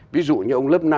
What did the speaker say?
ví dụ như ông lớp năm